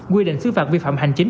quy định xứ phạt vi phạm hành chính